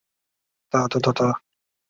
出生于东京。